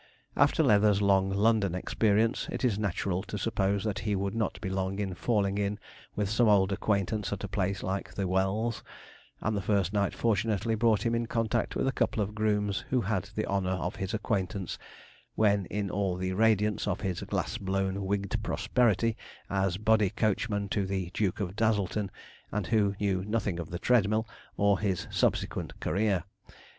After Leather's long London experience, it is natural to suppose that he would not be long in falling in with some old acquaintance at a place like the 'Wells,' and the first night fortunately brought him in contact with a couple of grooms who had had the honour of his acquaintance when in all the radiance of his glass blown wigged prosperity as body coachman to the Duke of Dazzleton, and who knew nothing of the treadmill, or his subsequent career.